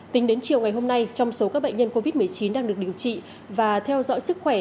tính đến chiều ngày hôm nay trong số các bệnh nhân covid một mươi chín đang được điều trị và theo dõi sức khỏe